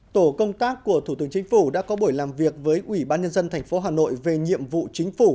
tổ công tác của thủ tướng chính phủ đã có buổi làm việc với ủy ban nhân dân tp hà nội về nhiệm vụ chính phủ